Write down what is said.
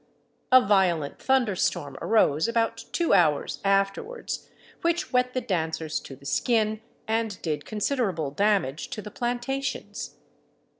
A violent thunder storm arose about two hours afterwards, which wet the dancers to the skin, and did considerable damage to the plantations.